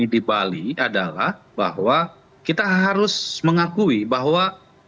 di bali adalah bahwa kita harus mengakui bahwa